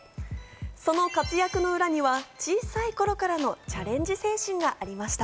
その活躍の裏には小さい頃からのチャレンジ精神がありました。